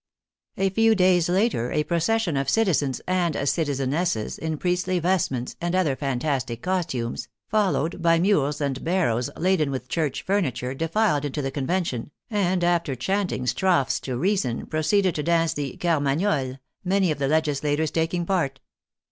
A few days later a proces sion of citizens and citizenesses, in priestly vestments, and other fantastic costumes, followed by mules and barrows laden with church furniture, defiled into the Convention, and after chanting strophes to Reason, pro THE DICTATORSHIP OF THE COMMUNE 75 ceeded to dance the " Carmagnole," many of the legisla tors taking part.